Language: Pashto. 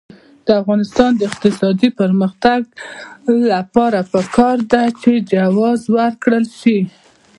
د افغانستان د اقتصادي پرمختګ لپاره پکار ده چې جواز ورکول شي.